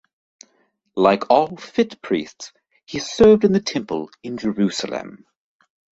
Like all fit priests, he served in the Temple in Jerusalem.